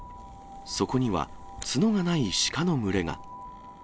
そこには、角がないシカの群れが。